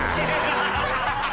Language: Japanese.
ハハハハ！